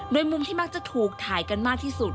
โดยมุมที่มักจะถูกถ่ายกันมากที่สุด